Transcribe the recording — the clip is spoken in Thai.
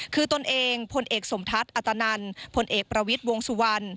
คือตนเองพลเอกสมทัศน์อัตนันพลเอกประวิทย์วงสุวรรณ